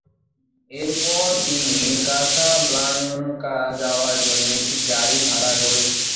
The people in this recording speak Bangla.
এরপর, তিনি কাসাব্লাংকা যাওয়ার জন্য একটা গাড়ি ভাড়া করেছিলেন।